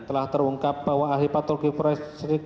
telah terungkap bahwa ahli patologi forensik